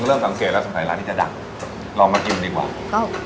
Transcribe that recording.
เริ่มสังเกตแล้วสงสัยร้านนี้จะดังลองมากินดีกว่าเอ้า